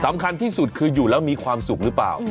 สำคัญที่สุดคืออยู่แล้วมีความสุขหรือเปล่า